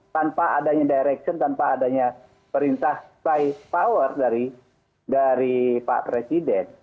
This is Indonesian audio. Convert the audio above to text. tanpa adanya direction tanpa adanya perintah by power dari pak presiden